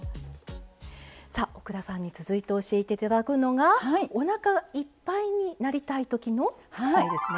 さあ奥田さんに続いて教えていただくのがおなかいっぱいになりたいときの副菜ですね。